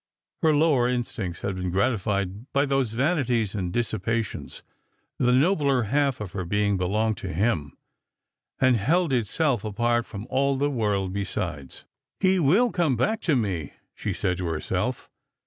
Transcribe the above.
Her lowot instincts had been gratified by those vanities and dissipations ; the nobler half of her being belonged to him, and held itself apart from all the world besides. " He will come back to me," she said to herself.